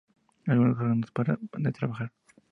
Algunos órganos paran de trabajar.